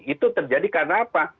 itu terjadi karena apa